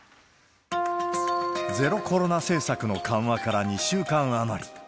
ゼロコロナ政策の緩和から２週間余り。